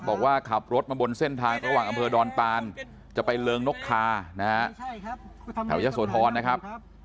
บอกว่าขับรถมาบนเส้นทางระหว่างอำเภอดอนตาลจะไปเริงนกทาแถวเยี่ยงสวท้อนนะครับ